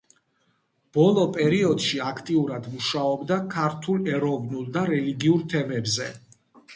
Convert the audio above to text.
ბოლო პერიოდში აქტიურად მუშაობდა ქართულ ეროვნულ და რელიგიურ თემებზე.